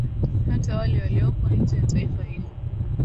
hata wale waliopo nje ya taifa hilo